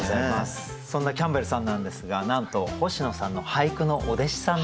そんなキャンベルさんなんですがなんと星野さんの俳句のお弟子さんだということで。